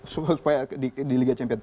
supaya di liga champion